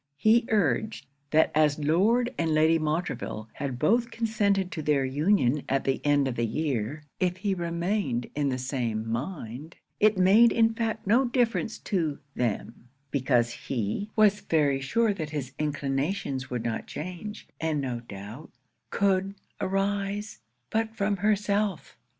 He urged, that as Lord and Lady Montreville had both consented to their union at the end of the year, if he remained in the same mind, it made in fact no difference to them; because he was very sure that his inclinations would not change, and no doubt could arise but from herself.